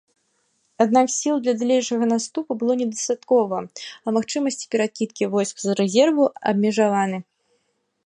Аднак сіл для далейшага наступу было недастаткова, а магчымасці перакідкі войск з рэзерву абмежаваны.